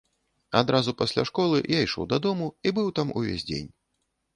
Адразу пасля школы я ішоў дадому і быў там увесь дзень.